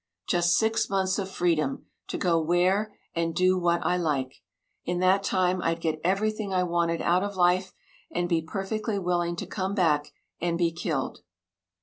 Just six months of freedom to go where and do what I like. In that time I'd get everything I wanted out of life, and be perfectly willing to come back and be killed."